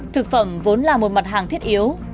thực phẩm vốn là một mặt hàng thiết yếu